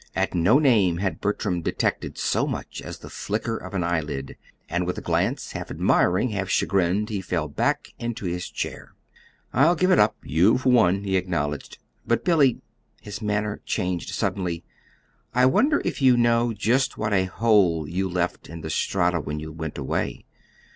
At no name had Bertram detected so much as the flicker of an eyelid; and with a glance half admiring, half chagrined, he fell back into his chair. "I'll give it up. You've won," he acknowledged. "But, Billy," his manner changed suddenly "I wonder if you know just what a hole you left in the Strata when you went away."